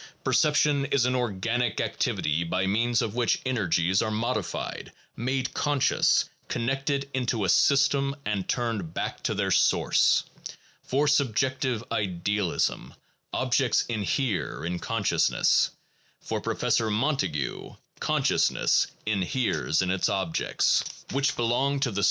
Perception is an organic activity by means of which energies are modified, made conscious, connected into a system, and turned back to their source. For subjective idealism, objects inhere in consciousness; for Professor Montague, consciousness inheres in its objects, which belong to 1 " Brief Studies in Realism," Jour, of Philos.